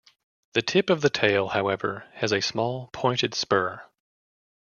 The tip of the tail, however, has a small, pointed spur.